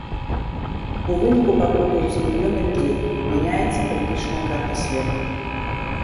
У выніку пакутуюць мільёны людзей, мяняецца палітычная карта свету.